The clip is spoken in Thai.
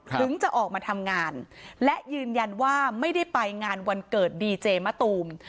ถึงจะออกมาทำงานและยืนยันว่าไม่ได้ไปงานวันเกิดดีเจมะตูม